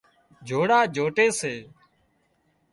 جوڙا جوٽي سي